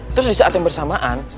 terus di saat yang bersamaan